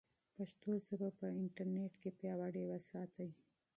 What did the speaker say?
پښتو ژبه په انټرنیټ کې پیاوړې وساتئ.